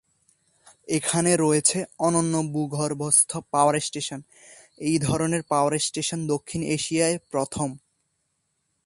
এখানে রয়েছে অনন্য ভূগর্ভস্থ পাওয়ার স্টেশন; এই ধরনের পাওয়ার স্টেশন দক্ষিণ এশিয়ায় প্রথম।